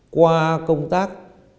qua công tác